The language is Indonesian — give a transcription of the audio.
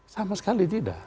sama sekali tidak